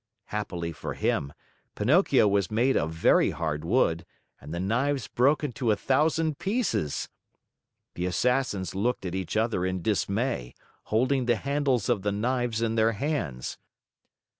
Happily for him, Pinocchio was made of very hard wood and the knives broke into a thousand pieces. The Assassins looked at each other in dismay, holding the handles of the knives in their hands.